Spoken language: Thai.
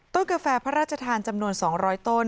กาแฟพระราชทานจำนวน๒๐๐ต้น